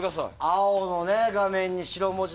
青の画面に白文字。